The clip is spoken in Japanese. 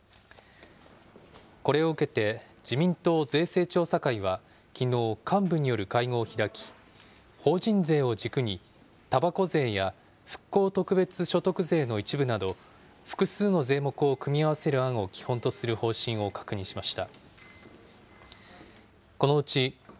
これを受けて、自民党税制調査会はきのう、幹部による会合を開き、法人税を軸にたばこ税や復興特別所得税の一部など、複数の税目を組み合わせる案を基本とする方針を確認しました。